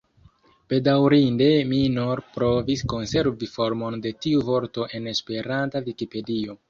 Bedaurinde mi nur provis konservi formon de tiu vorto en esperanta Vikipedio.